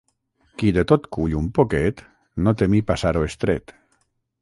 Qui de tot cull un poquet, no temi passar-ho estret.